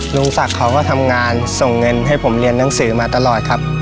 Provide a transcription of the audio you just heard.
ลุงศักดิ์เขาก็ทำงานส่งเงินให้ผมเรียนหนังสือมาตลอดครับ